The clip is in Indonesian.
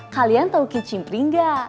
kalian tahu kicimpring nggak